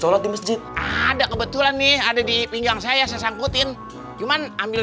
sholat di masjid ada kebetulan nih ada di pinggang saya saya sangkutin cuman ambil